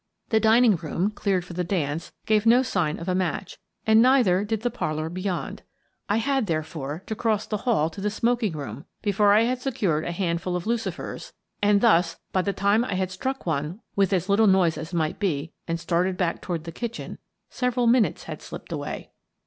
The dining room, cleared for the dance, gave no sign of a match, and neither did the parlour beyond. I had, therefore, to cross the hall to the smoking room before I had secured a handful of lucifers and 64 Miss Frances Baird, Detective cs=s ^==== thus, by the time I had struck one with as little noise as might be and started back toward the kitchen, several minutes had slipped away.